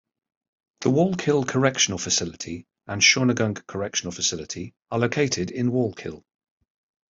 The Wallkill Correctional Facility and Shawangunk Correctional Facility are located in Wallkill.